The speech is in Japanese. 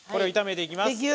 炒めていきます。